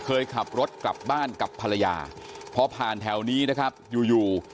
เคยขับรถกลับบ้านกับภรรยาพอผ่านแถวนี้นะครับอยู่อยู่